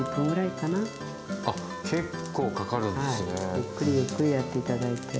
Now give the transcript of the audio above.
ゆっくりゆっくりやって頂いて。